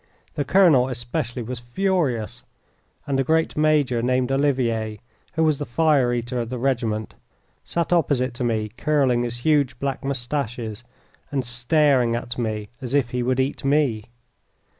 The colonel especially was furious, and a great major named Olivier, who was the fire eater of the regiment, sat opposite to me curling his huge black moustaches, and staring at me as if he would eat me.